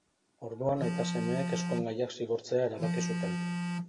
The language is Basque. Orduan, aita-semeek ezkongaiak zigortzea erabaki zuten.